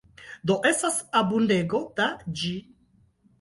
Do, estas abundego da ĝi.